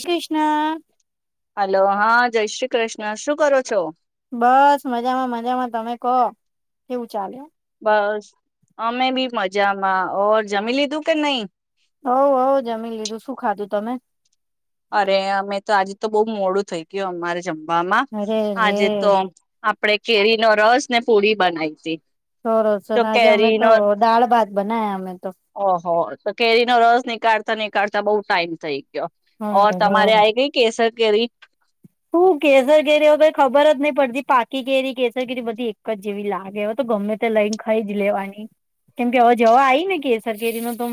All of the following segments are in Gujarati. શૃષ્ [unintelligible] હલો હા જય શ્રી કૃષ્ણ. શું કરો છો? બસ મજામાં મજામાં. તમે કહો કેવું ચાલે? બસ અમે બી મજામાં ઓર જમી લીધું કે નહી. હવ હ જમી લીધું. શું ખાધું તમે? અરે અમે તો આજે તો બહુ મોડું થઇ ગયું અમારે જમ વામાં અરે રે આજે તો આપણે કેરીનો રસ ને પૂડી બનાવી હતી. તો સરસ આજે અમે કેરી ન તો દાળ ભાત બનાયા અમે તો ઓહો તો કેરી નો રસ નીકળતા ની કરતા બઉ ટાઈમ થઈ ગયો. ઓર તમારે અરેરે આય ગઈ કેસર કેરી શું કેસર કેરી તો ખબર જ નહી પડતી પાકી કેરી કેસર કેરી બધી એક જ જેવી લાગેવે તો ગમે તે લઈને ખાઈ જ લેવાની કેમ કે હવે જવા આવી ને કેસર કેરી ન તો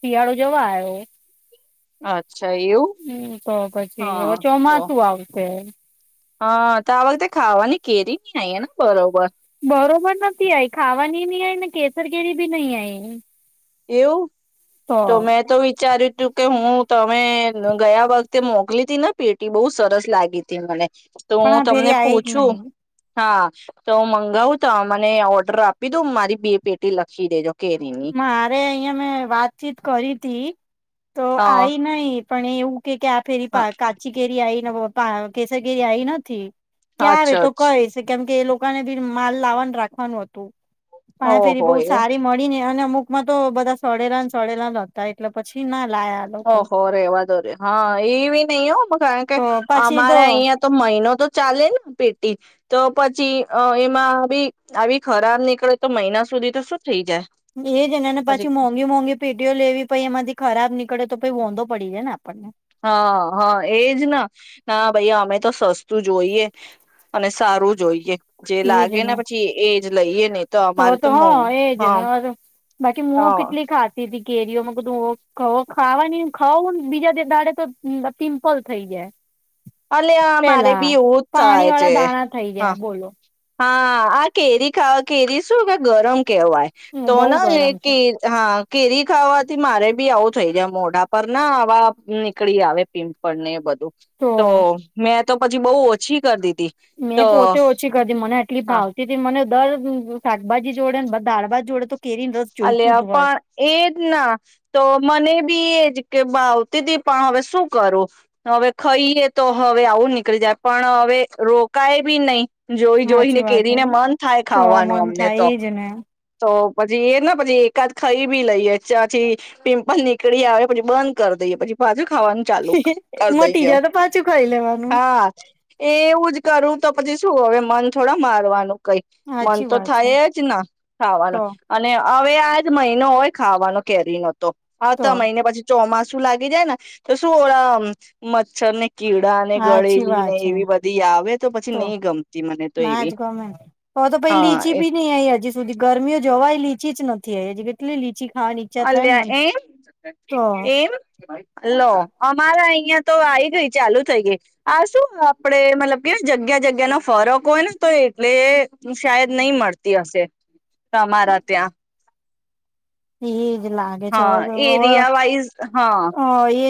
શિયાળો જવા આવ્યો. અચ્છા એવું હા તો આવ છે હા તો આ વખતે ખાવાની કેરીબી ના આઈ ને બરોબર બરોબર નથી આઈ ખાવાની ની આ ને કેસર કેરી બી નહી આય એવું તો મેં તો વિચાર્યું જો કે હું તમે ગયા વખતે મોકલી હતી ને પેટી બહુ સરસ લાગી હતી મને તો પણ હું આ ફેરી તમને આઈ જ પૂછું નહી હા તો હું મંગાવું તો મને ઓર્ડર આપી દઉં મારી બે પેટી લખી દેજો કેરીની મારે અમે વાતચીત કરી હતી ઈ તો હા આઈ નહી પણ એવું કે ક્યા ફેરી પા કાચી કેરી આઈ કેસરકેરી આઈ નથી. ક્યારે અચ્છા તો કહે અચ્છા છે કેમ કે એ લોકોને બી માલ લાવાનું રાખવાનું હતું. પણ આ ફેરી ઓહો બહ એવું સારી મળીને અમુકમાં તો બધા સડેલાને સડેલા જ હતા એટલે પછી ના લાયા લોકો ઓહો રહેેવા દ રે હા એવી નહી હો કારણ કે, તો પાછી તો અમારા અયાં તો મહિનો તો ચાલે ને પેટી. તો પછી અ એમાં આવી આવી ખરાબ નીકળે તો મહિના સુધી તો શું થઈ જાય એજ ને પછી મોંઘી મોંઘી પેટીઓ લેવી પઈ એમાંથી ખરાબ નીક કડે તો ભી વાોંધો પડી જાય ને આપણને. હા હા એજના, ના ભાઈ અમે તો સસ્તું જોઈએ, અને સારું જોઈએ. જે લાગે ને પછી એજ લઈએ ને. ત તો હ એજ નર બાકી મુ હા કેટલી ખાટી હતી. કેરીઓમાં કધું ખાવાની ખાઉં બીજા દાડે તો પિમ્પલ થઈ જાય. અલે આ મારે પેલા બી એવું જ પાણી થાય વાળા છે, દાણા થઈ હા. જાય બોલો હા આ કેરી ખા કેરી શું કે ગરમ. કવાય, હું બહુ તોના એ ગરમ છું કે હા કેરી ખાવાથી મારે બી આવું થઈ જાય મોઢા પર ના આવા નીકળી આવે પીમ્પ પળને બધુ. તો મેં તો પછી બહુ ઓછી કર દી. મેં પોતે ઓછી કર મને આટલી ભાવતી થી મને દર શાકભાજી જોડે ને દાળ ભાત જોડે તો કેરીને રસ જોઈતું અલ્યા જ હોય પણ એજ ના, તો મને બી એજ. કે ભાવ તી હતી પણ હવે શું કરું? હવે ખાઈએ તો હવે આવું નીકળી જાય પણ હવે રોકાય બી નહીં. જોઈ સાચી જોઈને વાત હે કેરીને મન થાય તો ખાવાનું મન અમને થાય તો, એજ ને તો પી એને પછી એકાદ ખાઈ બી લઈએ ચ્યાંથી, પિમ્પલ નીકળી આવે પછી બંધ કરી દઈએ, પછી પાછું ખાઈ ખાવાનું ચાલુ કર મટી દઈએ, જાય તો પાછું ખાઈ લેવાનું હા એવું જ કરું તો પછી શું હવે મન થોડા મારવાનું. કઈ મન સાચી તો વાત છે થાય જ ન ખાવાનું. તો હવે આજ મહિનો હોય ખાવાનો કેરી નો તો. તો આવતા મહિને પછી ચોમાસુ. શું લાગી જાય, ને તો શું ઓડા મચ્છર ને કીડા ને હ સાચી ગળેલી વાત ને છે, એવી બધી આવે પછી તો નહી ગમતી મને તો ના એવી જ ગમે ને, હવે તો ભાઈ હા લીચી એ બી નઈ આઈ હજી સુધી ગરમીઓ જવાઈ લીચી જ નથી આવી કેટલી લીચી ખાવાની ઈચ્છા થાય ને અલ્યા મને એમ, તો એમ લો અમારા અહિયાયા તો આવી ગય ચાલુ થઈ ગઈ, આ શું આપડે મતલબ કે જગ્યા જગ્યા નો ફરક હોય ને તો એટલે શાયદ નઈ મળતી હશે, તમારા ત્યાં. [unintelligible] છે હા હવે એરિયા વાઈઝ હા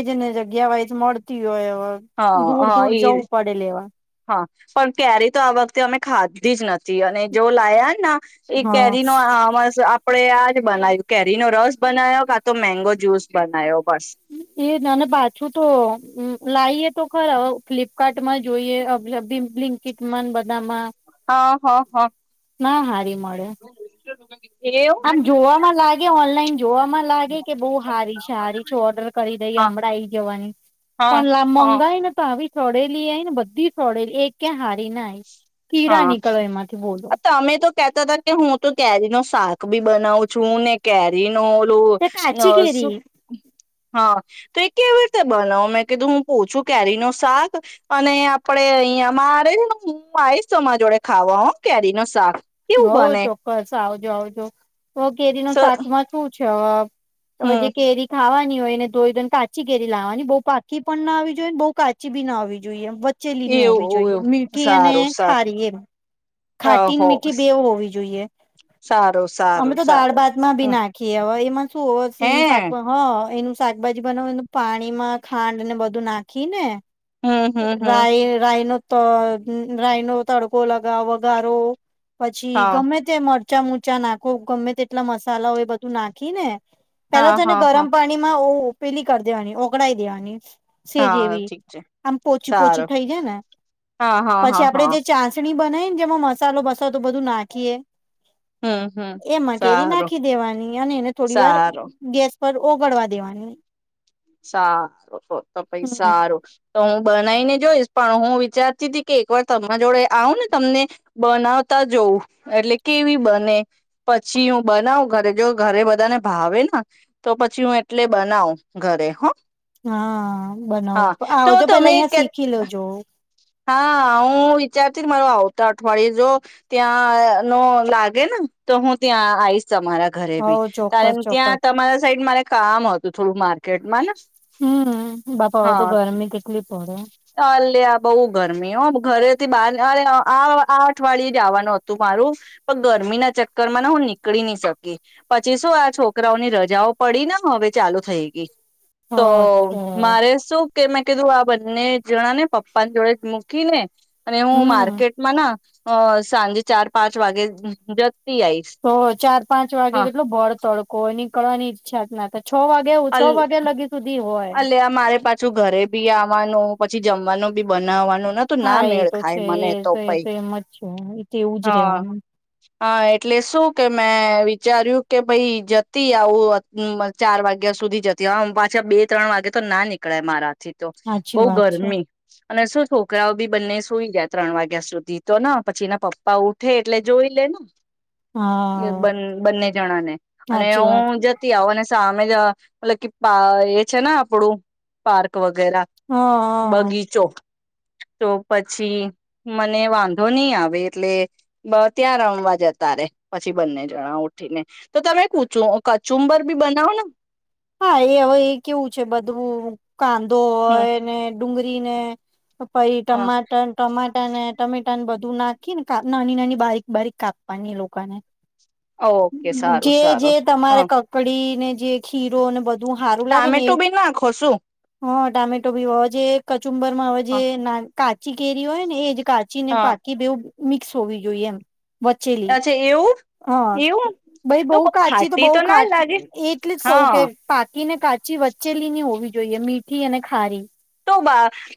જેને જગ્યા વોઇસ મળતી હોય. હા દૂર હા દૂર એ જવું પડે લેવા. હા, પણ કેરી તો આ વખતે અમે ખાધી જ નથી. જી અને જો લાયા ના, એ હા કેરી નો આપડે આજ બનાવ્યું કેરીનો રસ બનાવયો કા તો મેંગો જ્યુસ બનાવ્યો. બસ એ ના ના પાછું તો લાવએ તો ખરા. ફ્લિપકાર્ટ માં જોઈએ કિટમાં બધામાં. હા હા હા. ના હારી મળે એવું આમ જોવામાં લાગે ઓનલાઈન જોવામાં લાગે કે બહુ હારી છે હારી છે ઓર્ડર કરી દઈ હા હમણાં ઈ જવાની, હા પણ હા મંગાઈ ને તો આવી છોડેલી આય ને બધી છોડેલી એક કયા હા ના હા કીરા નીકળે એમાંથી બોલો. તમે તો કેતા તા કે હું તો કેરીનું શાક બી બનાવું છું ને કેરી અ ઓલું, તે કાચી અ શું કેરી. હા, તો એ કેવી રીતે બનાવ મેં કીધું હું પોચુ કેરીનું શાક, અને આપડે અહીયાં મારેને હું આવીશ તમા જોડે ખાવા હો કેરી ને શાક. કેવું હોઉ બને ચોક્કસ આવજો આવજો, સ કેરીનું શાકમાં શું છે. તો જે હમ કેરી ખાવા ની હોયને ધોઈ ધોઈન કાચી કેરી લાવાની બઉ પાકી પણ ના આવી જોઈએ બઉ કાચી બી ના આવવી જોઈએ વચ ચેલીની એવું હોવી જોઈએ, એવું મીઠી અને સારું ખારી એમ. સારું ખાટી હો મીઠી બેઉ હોવી જોઈએ, સારું અમે સારું તો દાળ સારું ભાતમાં ભી નાખીએ હોય એમાં શું હો હે સીંગ શાક હ. હો એનું શાકભાજી બનાવીને પાણીમાં ખાંડ ને બધું નાખી ને હમ હમ હમ રાય રાયનો તો અ ઉમ રાઇનો તડકો લગાવ ગારો. પછી હા ગમે તેમ મડ ચા મુચા નાખો ગમે તેટલા મસાલાઓ એ બધું નાખી ને પેલા હા તો એને હા હા ગરમ પાણીમાં ઓ ઓ પેલી કર દેવાની ઓગળાઈ દેવાની છેજ હા એવી ઠીક છે આમ પોચી પોચી સારું થઈ જાય ને, હા હા પછી હા હા આપડે જે ચાન્સ નીમ બનાઈન તેમાં મસાલો બસાલ તો બધું નાખીએે હમ હમ એમાં કેરી સારું નાખી દેવાની. અને એને થોડી વાર સારું ગેસ પર ઓગળવા દેવાની. સા આરું અ તો પઈ હમ સારું તો બન નઈને જોઈશ પણ હું વિચારતી તી કે એક વાર તમારા જોડે આઉને તમને બનાવતા જોઉં. એટલે કેવી બને? પછી હું બનાઉ ઘરે જઉ ઘરે બધાને ભાવે ન તો પછી હું એટલે બનાઉ. ઘરે હો! હા, બનાવ પ તો આવજો પેલા તમે અહિયા કે શીખી લેજો. હા, હું વિચારતી મારો આવતા અઠવાડિયે જો ત્યાં અ નો લાગે ને તો હું ત્યાં આઈશ તમારા ઘરે બી હવ ચોક્કસ તાયેમ ચોક્કસ ત્યાં તમારા સાઈડ મારે કામ હતું થોડું માર્કેટ માંનસ હમ. બાપા હવે તો ગરમી કેટલી પડે. ગરમીઓ ઘરેથી બહાર અરે અ આ અ આ અઠવાડિયે જ આવાનું હતું મારું પણ ગરમી ના ચક્કર માં ને હું નીકળી ની શકી. પછી શું આ છોકરાઓની રજાઓ પડી ને હવે ચાલુ થઈ ગઈ તો અચ્છા મારે શું? કે મેં કીધું આ બંને જણા ને પપ્પ પા જોડે જ મૂકી ને અને હું હમ માર્કેટમાં ના અ સાંજે ચાર પાંચ વાગે જ [unintelligible] દત તો ચાર પાંચ વાગે કેટલો ભળ તડકો હોય ની કળવાની ઈચ્છા જ ના થાય. છ વાગે છ અલ વાગ્યા લગી સુધી હોય અલ્યા મારે પાછું ઘરે બી આવવાનું પછી જમવાનું બી બનાવાનું તું હા ના એ મેળ તો ખાય છે મને એ તો પ એ હ એમ જ છે એ તો એવું જ રેવાનું હ એટલે શું કે મેં વિચાર્યું કે ભાઈ જતી આવું ચાર વાગે ગ્યા સુધી જતી હ પાછા બે ત્રણ વાગે તો ના નીકળે મારા થી તો સાચી બઉ વાત છે ગરમી અને શું છોકરાઓ બી બંને સુઈ ગયા ત્રણ વાગ્યા સુધી તો પછી એના પપ્પા ઉઠે એટલે જોઈ લેને એ હા બંને બંને જણા ને અને સાચી વાત છે હું જતી આવ અને કામે જવા [unintelligible] કે પ એ છે ને આપડું પાર્ક વગેર વગેરા હ બગીચો. તો પછી મને વાંધો નહી આવે એટલે બ ત્યાં રમવા જતા રે પછી બંને જણા ઉઠીને તો તમે કુચું કચુંબર બી બનાવો ને હા એ હવે એ કેવું છે બધું કાંધો હમ હોય ને ડુંગરીને પાઈ હા ટમાટા ટમાટા ને ટમેટા ને બધા ું નાખી નેાપ નાની નાની બારીક બારીક કાપવાની એ લોકોને. ઓકે સારું જે જે સારું તમારે હા કકડીને જે હીરો ને બધ ટામેટું બી નાખો શું? હા ટામેટો ભી હો જે ચુંબર માં હવે જે હ કાચ ચીગરી હોય ને એ કાચી ને હા પાકી બેવું મિક્સ હોવી જોઈએ એમ. વચેલી, અચ્છા એવું હા એવું ભાઈ તો બહ બઉ કાચી તો ખાટી બઉ ખા ના લાગે એટલી જ ક કે હા પાકીને કાજ ી વચ્ચેલીની હોવી જોઈએ મીઠી અને ખારી. તો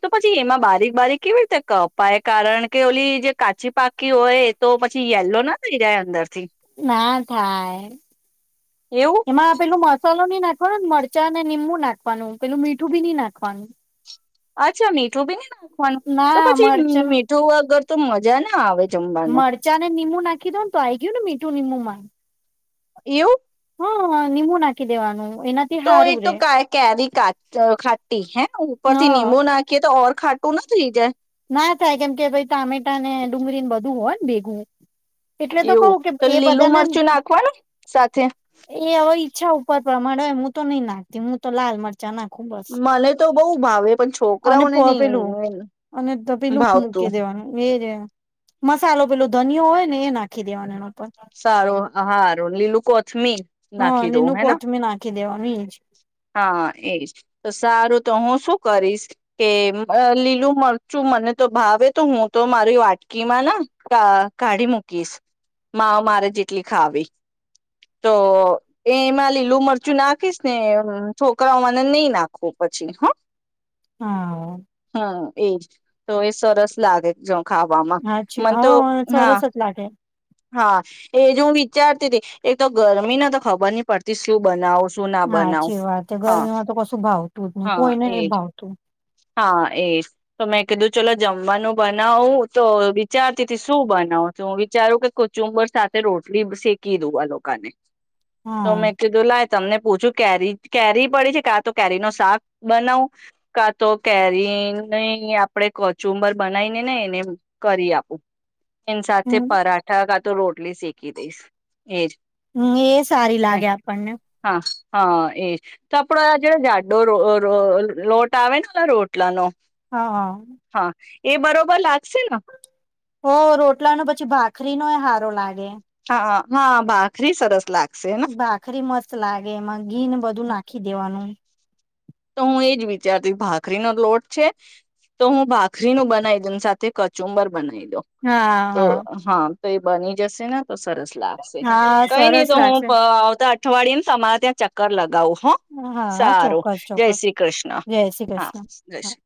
તો પછી એમાં બારીક બારીક કેવી રીતે કપાય કારણ કે ઓલી જે કાચી પાકી હોય એ તો પછી યલો ના થઈ જાય અંદર. થી ના થાય, એવું એમાં પેલું મોત મસાલ નહી નાખવાનો મરચા અને નિબુ નાખવાનું પેલું મીઠું બી નહ નાખવાનું. અચ્છા મીઠું બી નાખવાનું તો ના પછી મરચન મીઠું વગર તો મજા ના આવે. જમવાનું મરચા ને નિમુ નાખી દો ને તો આ આવી ગયું ને મીઠ સુું નિમુમાં. એવું? હ નિંમુ નાખી દેવાનું. એનાથી તો એ હારું તો રે ક ક દ કા ખાટી હે હ ઉપરથી નિમબુ નાખીએ તો ખાટું ના થઈ જાય? ના થાય કેમ કે ભાઈ ટામેટા ને ડુંગળીને બધું હોય ને ભેગું. એટલે તો એવું કવું કે તો એ લીલું બધાને, મરચું નાખવાનું સાથે એ હ ઈચ્છા ઉપર પ્રમાણે હોય હું તો નહી નાખતી હું તો લાલ મર મને તો બહુ ભાવે પણ છોકરાઓને નહિ તો પેલું મૂકી દેવાનું એ મસાલો પેલો ધનયો હોય ને એ નાખી દેવાનો એનો. સારું. હા. રોલીલું [unintelligible] મી હા નાખી લીલું દઉં હેના. કોથમીર નાખી દેવાનું એજ હા એજ તો સારું. તો હું શું કરીશ કે, લીલું મરચું મને તો ભાવે તો હું તો મારી વાટકીમાં ના કાઢી મૂકીશ. મા મારે જેટલી ખાવી તો એ એમાં લીલું મરચું નાખીશ, ને છોકરાઓમાંને નહી નાખવું પછી હ હા હા એજ. તો એ સરસ લાગે જ. ખાવામાં સાચી મને તો હ સરસ જ લાગે હા હા એજ હું વિચારતી હતી, એક તો ગરમીને તો ખબર નહ પડતી શું બનાવ છ? હાચી વાત ગરમીમાં તો કશું ભાવતું જ નહી, હા કોઈને નહી એજ ભાવતું. હા એ તો મેં કીધું ચલો, જમવાનું બનાવું તો વિચારતી શું બનાવું છું? હું વિચારું કે કોચુંબર સાથે રોટલી શેકી દઉ આ લોકાને તો હા. મેં કીધું લાય તમને પૂછું, કેરી કેરી પડે છે, કાં તો કેરી ન શાક બનાવું કાં તો, કેરીની આપણે કચુંબર બનાવીને ને એને કરી આપું. એન સાથે હમ પરા તો રોટલી શેકી દઈશ. એજ હમ એ સારી લાગે આપણને. એ તો આપડો આ જેડ જાડો રો રો લોટ આવે ને રોટલાનો, હા. હા. હા એ બરોબર લાગ પશે ન [unintelligible] હો રોટલાનો પછી, ભાખરીનો એ હારો લાગે. હા. હા. ભાખરી સરસ લાગે. બાખરી મજ [unintelligible] લાગે એમાં. ઘી ને બધું નાખી દેવાનું તો હું એજ વિચારતી ભાખરીનો લોટ છે તો હું ભાખરીનો બનાવી દઉ સાથે કચુંબર બનાવી દઉ તો હા તો એ બની જશે ને તો સરસ લાગશે હા કઈ નહી સરસ તો હું લાગશે. આવતા અઠવાડિયામાં [unintelligible] સમારે ત્યાં ચક્કર લગાવો હા ચોક્કસ જય ચોક્કસ શ્રી કૃષ્ણ જય શ્રી હા કૃષ્ણ. જય શ્રી